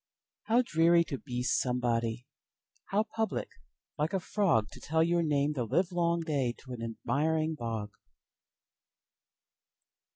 How dreary to be somebody! How public, like a frogTo tell your name the livelong dayTo an admiring bog!